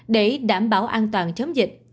để đảm bảo an toàn chống dịch